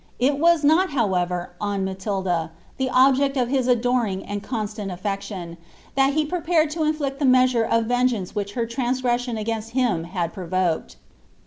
Il WB9 not, however, on Maiilda, the object of liia adoring ano Consiut afleclion, thai he prepnied to iiiHict the measure of vengeauee which htr trancgreseion againsl him had provoked.